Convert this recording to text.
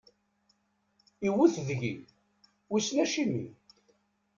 Iwwet deg-i, wissen acimi.